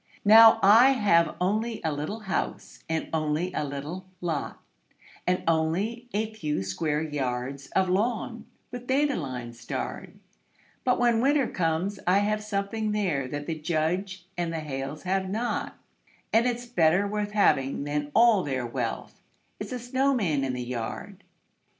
Now I have only a little house, and only a little lot, And only a few square yards of lawn, with dandelions starred; But when Winter comes, I have something there that the Judge and the Hales have not, And it's better worth having than all their wealth it's a snowman in the yard.